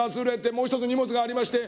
もう一つ荷物がありまして」。